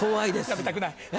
やめたくない。